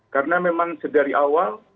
karena memang sedari awal